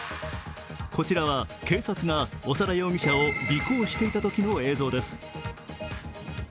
こちらは警察が長田容疑者を尾行していたときの映像です。